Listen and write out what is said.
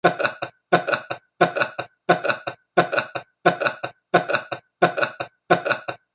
The following services typically call at Gidea Park during off-peak hours.